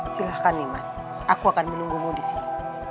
silahkan nimas aku akan menunggumu disini